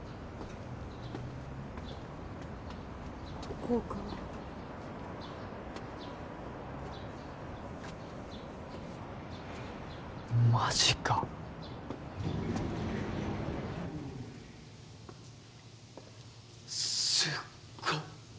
ここかマジかすっご！